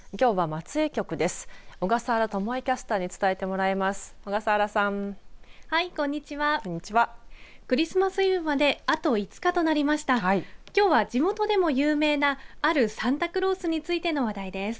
きょうは地元でも有名なあるサンタクロースについての話題です。